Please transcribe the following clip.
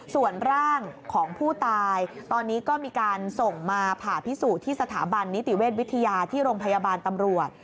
ส่วนร่างของผู้ตายตอนนี้ก็มีการส่งมาผ่าพิสูจน์ที่สถาบันนิติเวชวิทยาที่โรงพยาบาลตำรวจ